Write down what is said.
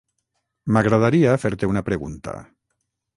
M'agradaria fer-te una pregunta.